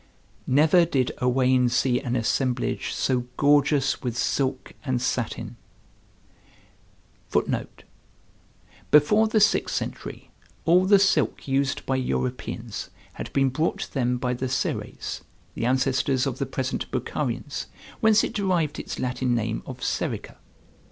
Never did Owain see an assemblage so gorgeous with silk [Footnote: Before the sixth century all the silk used by Europeans had been brought to them by the Seres, the ancestors of the present Boukharians, whence it derived its Latin name of Serica.